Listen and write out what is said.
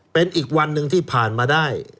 เป็นอีกวันหนึ่งที่ผ่านมาได้